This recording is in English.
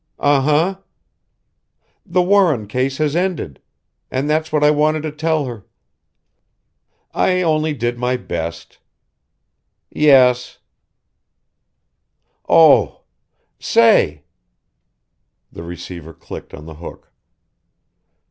Uh huh! the Warren case has ended and that's what I wanted to tell her I only did my best Yes Oh! say " The receiver clicked on the hook.